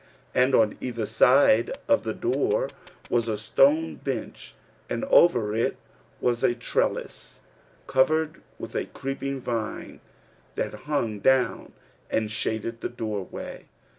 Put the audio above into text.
And on either side of the door was a stone bench and over it was a trellis, covered with a creeping vine that hung down and shaded the door way.